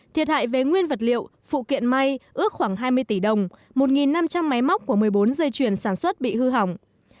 thiệt hại về nguyên vật liệu phụ kiện may ước khoảng hai mươi tỷ đồng một năm trăm linh máy móc của một mươi bốn dây chuyền sản xuất bị hư hỏng